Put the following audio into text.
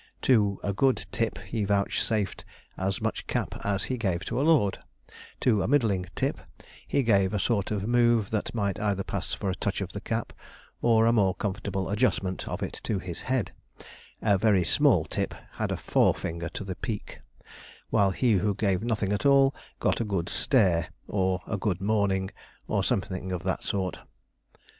To a good 'tip' he vouchsafed as much cap as he gave to a lord; to a middling 'tip' he gave a sort of move that might either pass for a touch of the cap or a more comfortable adjustment of it to his head; a very small 'tip' had a forefinger to the peak; while he who gave nothing at all got a good stare or a good morning! or something of that sort.